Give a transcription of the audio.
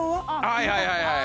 はいはいはいはい。